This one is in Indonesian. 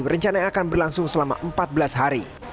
rencananya akan berlangsung selama empat belas hari